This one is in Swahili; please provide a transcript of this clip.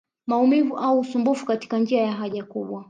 Maumivu au usumbufu katika njia ya haja kubwa